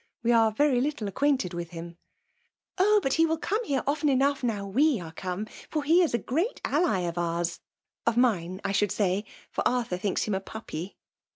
'' We are very little acquainted with «'' Oh ! but he will be here often enough now voe are come ; for he is a great ally of ours, — of mine I should say, for Arthur thinks him a puppy.'